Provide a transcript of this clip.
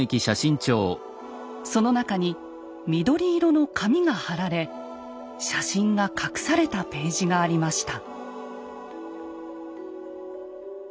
その中に緑色の紙が貼られ写真が隠されたページがありました。